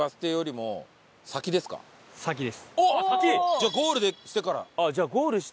じゃあゴールしてから。